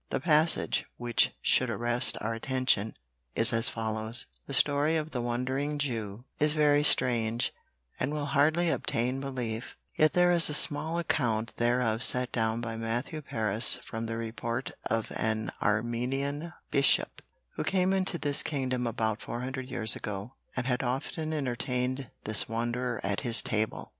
The passage which should arrest our attention is as follows: "The story of the Wandering Jew is very strange and will hardly obtain belief; yet there is a small account thereof set down by Matthew Paris from the report of an Armenian Bishop; who came into this Kingdom about four hundred years ago, and had often entertained this wanderer at his Table.